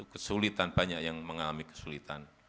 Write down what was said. kesulitan banyak yang mengalami kesulitan